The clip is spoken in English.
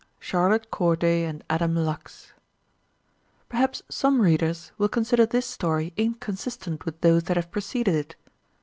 CHARLOTTE CORDAY AND ADAM LUX Perhaps some readers will consider this story inconsistent with those that have preceded it.